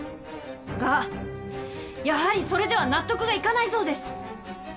がやはりそれでは納得がいかないそうです。